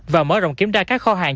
và mở rộng kiểm tra các kho hàng